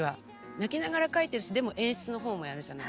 泣きながら書いてるしでも演出の方もやるじゃない。